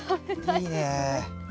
いいねぇ。